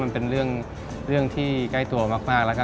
มันเป็นเรื่องเรื่องที่ใกล้ตัวมากมากแล้วก็